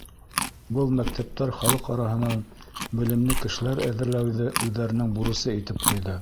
Был мәктәптәр халыҡ араһынан белемле кешеләр әҙерләүҙе үҙҙәренең бурысы итеп ҡуйҙы.